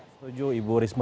setuju ibu risma